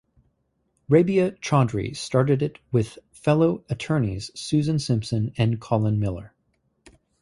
Rabia Chaudry started it with fellow attorneys Susan Simpson and Colin Miller.